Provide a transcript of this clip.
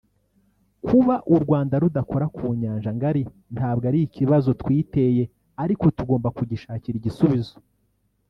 Kuba u Rwanda rudakora ku nyanja ngari ntabwo ari ikibazo twiteye ariko tugomba kugishakira igisubizo”